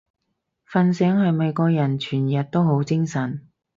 瞓醒係咪個人全日都好精神？